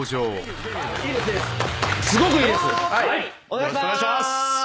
お願いします。